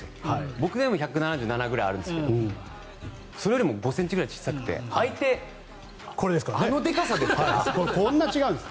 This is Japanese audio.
僕でも１７７ｃｍくらいあるんですけどそれよりも５ｃｍくらい小さくてこんな違うんです。